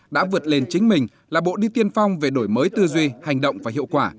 đã vượt lên chính mình là bộ đi tiên phong về đổi mới tư duy hành động và hiệu quả